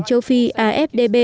châu phi afdb